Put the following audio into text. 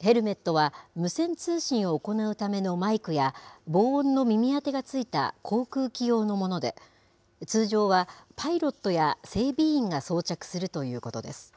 ヘルメットは無線通信を行うためのマイクや、防音の耳当てがついた航空機用のもので、通常はパイロットや整備員が装着するということです。